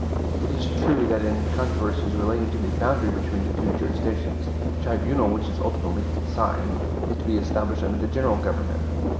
It is true that in controversies relating to the boundary between the two jurisdictions, the tribunal which is ultimately to decide, is to be established under the general government.